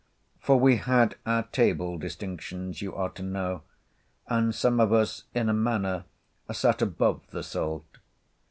For we had our table distinctions, you are to know, and some of us in a manner sate above the salt.